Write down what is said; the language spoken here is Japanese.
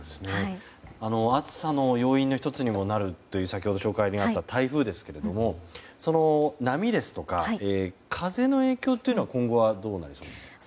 暑さの要因の１つにもなるといわれた先ほど紹介にあった台風ですけれども波ですとか風の影響というのは今後はどうなんでしょうか。